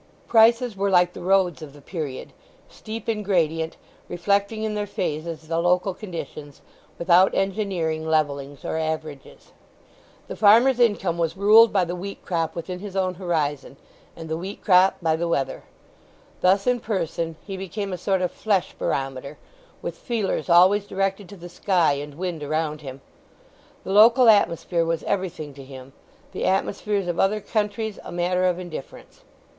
Prices were like the roads of the period, steep in gradient, reflecting in their phases the local conditions, without engineering, levellings, or averages. The farmer's income was ruled by the wheat crop within his own horizon, and the wheat crop by the weather. Thus in person, he became a sort of flesh barometer, with feelers always directed to the sky and wind around him. The local atmosphere was everything to him; the atmospheres of other countries a matter of indifference.